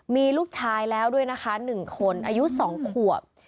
มีลูกชายแล้วด้วยนะคะหนึ่งคนอายุสองขวบ